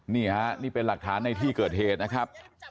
นี่ฮะนี่เป็นหลักฐานในที่เกิดเหตุนะครับ